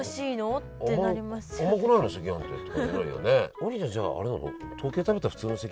王林ちゃんじゃああれなの？